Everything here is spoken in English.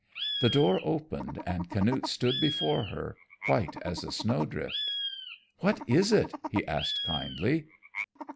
The door opened and Canute stood before her, white as a snow drift. "What is it?" he asked kindly.